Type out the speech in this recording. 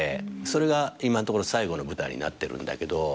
それが今のところ最後の舞台になってるんだけど。